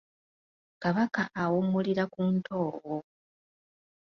Kabaka awummulira ku Ntoowo.